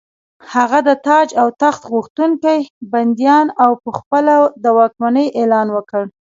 هغه د تاج او تخت غوښتونکي بندیان او په خپله د واکمنۍ اعلان وکړ.